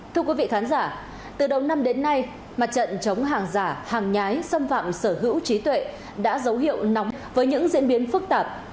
thưa quý vị khán giả từ đầu năm đến nay mặt trận chống hàng giả hàng nhái xâm phạm sở hữu trí tuệ đã dấu hiệu nóng với những diễn biến phức tạp